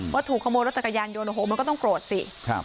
ว่าถูกขโมยรถจักรยานยนต์มุมหนึ่งก็ต้องโกรธสิ